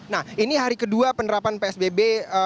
nah ini hari kedua penerapan psbb